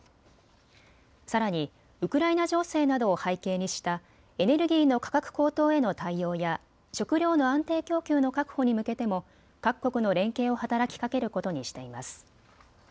さらにウクライナ情勢などを背景にしたエネルギーの価格高騰への対応や食料の安定供給の確保に向けても各国の連携を働きかけることにしています。